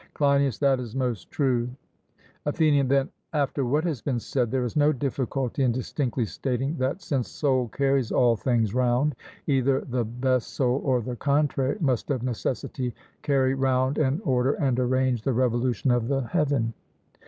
CLEINIAS: That is most true. ATHENIAN: Then, after what has been said, there is no difficulty in distinctly stating, that since soul carries all things round, either the best soul or the contrary must of necessity carry round and order and arrange the revolution of the heaven.